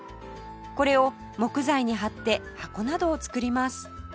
これを木材に貼って箱などを作ります